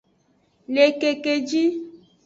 Le kekeji.